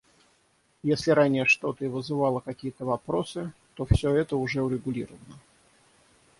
Если ранее что-то и вызывало какие-то вопросы, то все это уже урегулировано.